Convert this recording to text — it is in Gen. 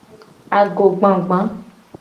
Agogbagba.